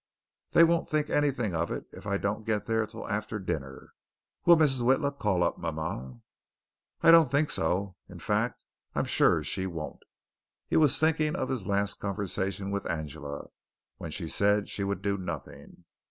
They won't think anything of it if I don't get there till after dinner. Will Mrs. Witla call up mama?" "I don't think so. In fact, I'm sure she won't." He was thinking of his last conversation with Angela, when she said she would do nothing.